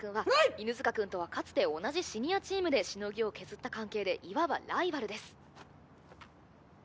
犬塚くんとはかつて同じシニアチームでしのぎを削った関係でいわばライバルです